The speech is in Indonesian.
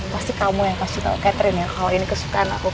pasti kamu yang kasih tau catherine ya kalau ini kesukaan aku